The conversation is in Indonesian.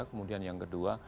kemudian yang kedua